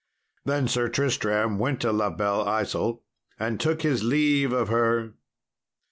Then Sir Tristram went to La Belle Isault, and took his leave of her.